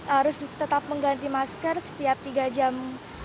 harus tetap mengganti masker setiap tiga jam